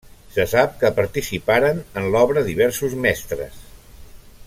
Se sap que participaren en l'obra diversos mestres.